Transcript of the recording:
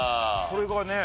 それがね。